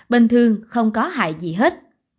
bình thường không có hại gì hết